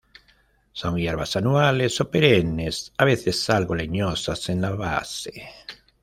Son hierbas anuales o perennes, a veces algo leñosas en la base.